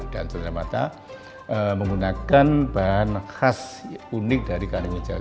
dan cendera mata menggunakan bahan khas unik dari karimu jawa